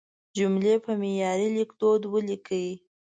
جملې په معیاري لیکدود ولیکئ.